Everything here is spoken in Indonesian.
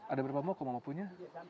ada berapa moku mama punya